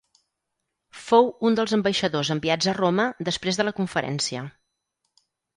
Fou un dels ambaixadors enviats a Roma després de la conferència.